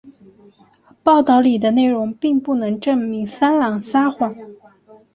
报道里的内容并不能证明桑兰撒谎。